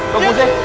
kok gue seh